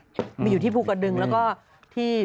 มาอยู่ที่ภูกระดึงแล้วก็ที่